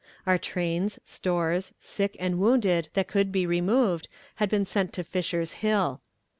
Our trains, stores, sick, and wounded that could be removed had been sent to Fisher's Hill.